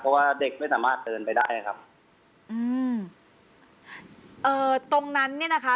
เพราะว่าเด็กไม่สามารถเดินไปได้ครับอืมเอ่อตรงนั้นเนี้ยนะคะ